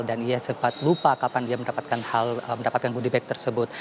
dan ia sempat lupa kapan ia mendapatkan hal mendapatkan goodie bag tersebut